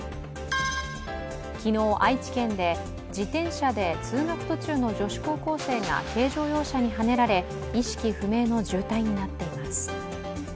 昨日愛知県で自転車で通学途中の女子高校生が軽乗用車にはねられ、意識不明の重体になっています。